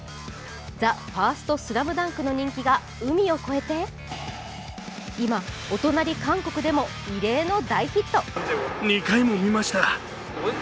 「ＴＨＥＦＩＲＳＴＳＬＡＭＤＵＮＫ」の人気が海を越えて今、お隣・韓国でも異例の大ヒット。